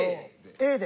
Ａで。